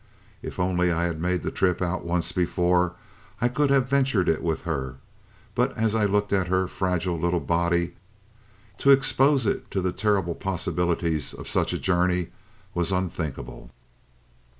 If only I had made the trip out once before, I could have ventured it with her. But as I looked at her fragile little body, to expose it to the terrible possibilities of such a journey was unthinkable.